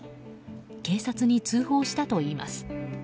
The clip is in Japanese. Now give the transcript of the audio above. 警察に通報したといいます。